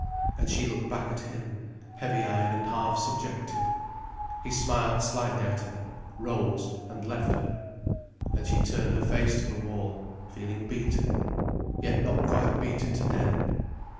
And she looked back at him, heavy eyed and half subjected. He smiled slightly at her, rose, and left her. And she turned her face to the wall, feeling beaten. Yet not quite beaten to death.